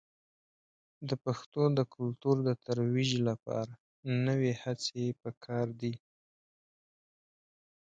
د پښتو د کلتور د ترویج لپاره نوې هڅې په کار دي.